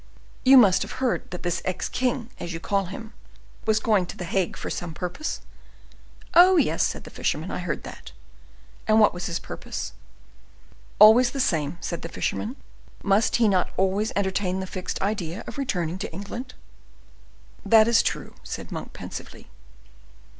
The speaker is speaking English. "You must have heard that this ex king, as you call him, was going to the Hague for some purpose?" "Oh, yes," said the fisherman, "I heard that." "And what was his purpose?" "Always the same," said the fisherman. "Must he not always entertain the fixed idea of returning to England?" "That is true," said Monk, pensively.